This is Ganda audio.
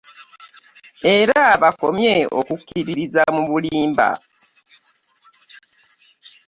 Era bakomye okukkiririza mu bulimba